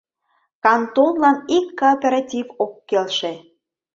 КАНТОНЛАН ИК КООПЕРАТИВ ОК КЕЛШЕ